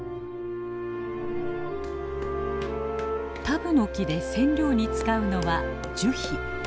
タブノキで染料に使うのは樹皮。